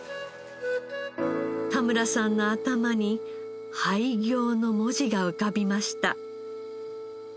田村さんの頭に「廃業」の文字が浮かびました。